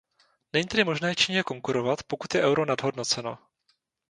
Není tedy možné Číně konkurovat, pokud je euro nadhodnoceno.